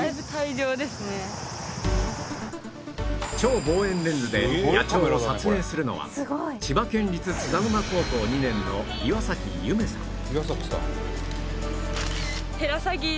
超望遠レンズで野鳥を撮影するのは千葉県立津田沼高校２年の岩崎結芽さん